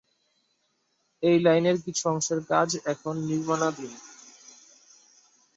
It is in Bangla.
এই লাইনের কিছু অংশের কাজ এখন নির্মাণাধীন।